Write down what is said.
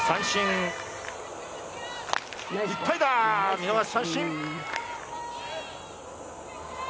見逃し三振！